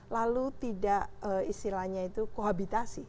lalu tidak istilahnya itu kohabitasi